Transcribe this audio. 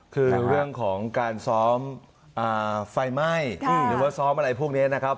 คือเรื่องของการซ้อมไฟไหม้หรือว่าซ้อมอะไรพวกนี้นะครับ